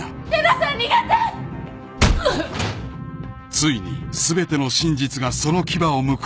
［ついに全ての真実がその牙をむく］